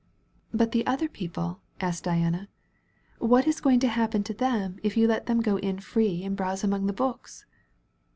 "But the other people," asked Diana, "what is going to happen to them if you let them go in free and browse among the books?"